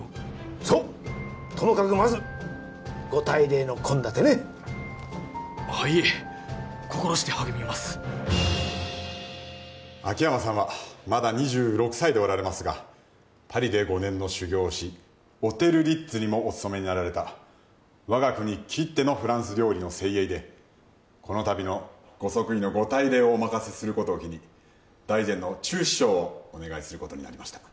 そうともかくまずご大礼の献立ねはい心して励みます秋山さんはまだ２６歳でおられますがパリで５年の修業をしオテル・リッツにもお勤めになられた我が国きってのフランス料理の精鋭でこのたびのご即位のご大礼をお任せすることを機に大膳の厨司長をお願いすることになりました